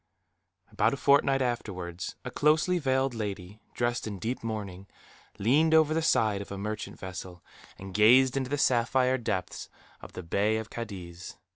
About a fortnight afterwards, a closely veiled lady, dressed in deep mourning, leaned over the side of a merchant vessel, and gazed into the sapphire depths of the Bay of Cadiz.